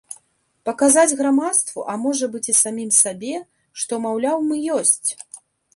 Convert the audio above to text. Паказаць грамадству, а можа быць, і самім сабе, што, маўляў, мы ёсць.